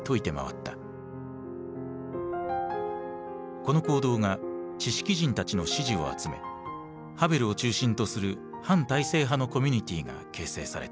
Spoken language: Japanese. この行動が知識人たちの支持を集めハヴェルを中心とする反体制派のコミュニティーが結成された。